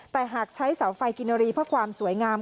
แต่หากใช้เสาไฟกินรีเพื่อความสวยงาม